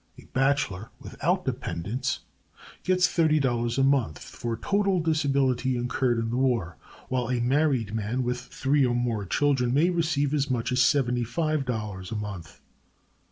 A bachelor, without dependents, gets $30 a month for total disability incurred in the war, while a married man with three or more children may receive as much as $75 a month.